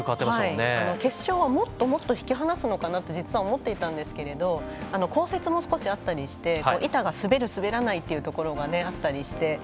決勝はもっともっと引き離すのかなと実は思っていたんですけども降雪も少しあったりして板が滑る滑らないというところがあったりして。